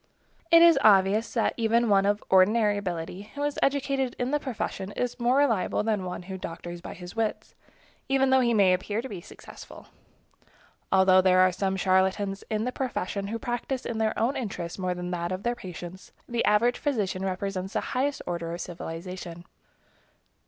It is obvious that one of even ordinary ability, who is educated in the profession, is more reliable than one who doctors by his wits, even though he may appear to be successful. Although there are some charlatans in the profession, who practice in their own interest more than in that of their patients, the average physician represents the highest order of civilization.